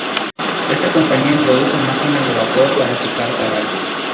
Esta compañía introdujo máquinas de vapor para picar tabaco.